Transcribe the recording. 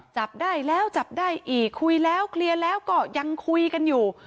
จับได้แล้วจับได้อีกคุยแล้วเคลียร์แล้วก็ยังคุยกันอยู่